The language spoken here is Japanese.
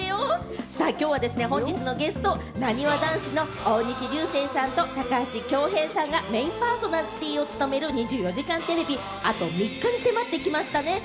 きょうはですね、本日のゲスト、なにわ男子の大西流星さんと高橋恭平さんがメインパーソナリティーを務める『２４時間テレビ』、あと３日に迫ってきましたね。